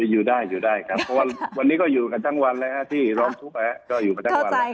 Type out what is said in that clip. อยู่ได้อยู่ได้ครับเพราะว่าวันนี้ก็อยู่กันทั้งวันเลยฮะที่ร้องทุกข์ก็อยู่กันทั้งวัน